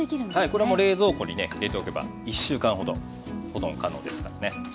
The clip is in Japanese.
これも冷蔵庫にね入れておけば１週間ほど保存可能ですからね。